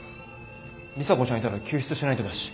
里紗子ちゃんいたら救出しないとだし。